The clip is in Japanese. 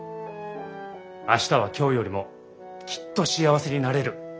明日は今日よりもきっと幸せになれる。